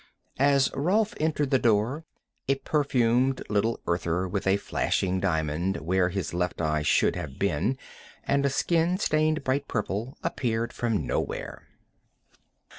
As Rolf entered the door, a perfumed little Earther with a flashing diamond where his left eye should have been and a skin stained bright purple appeared from nowhere.